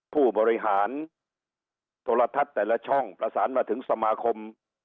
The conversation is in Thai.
ผู้บริหารโทรทัศน์แต่ละช่องประสานมาถึงสมาคม